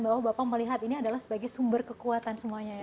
bahwa bapak melihat ini adalah sebagai sumber kekuatan semuanya ya